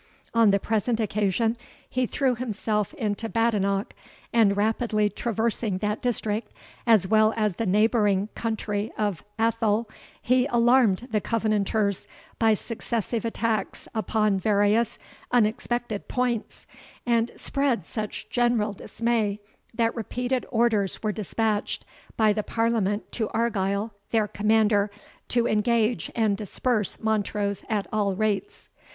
On the present occasion he threw himself into Badenoch, and rapidly traversing that district, as well as the neighbouring country of Athole, he alarmed the Covenanters by successive attacks upon various unexpected points, and spread such general dismay, that repeated orders were dispatched by the Parliament to Argyle, their commander, to engage, and disperse Montrose at all rates.